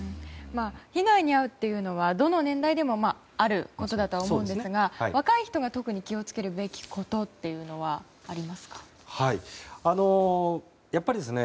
被害に遭うというのはどの年代でもあることだと思いますが若い人が特に気を付けるべきことってありますか？